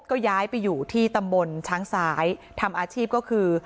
ก็ย้ายไปอยู่ที่ตำบลช้างซ้ายทำอาชีพก็คือ